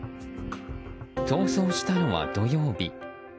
逃走したのは土曜日。